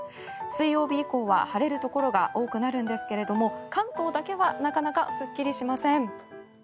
水曜日以降は晴れるところが多くなるんですけども関東だけはなかなかすっきりしません。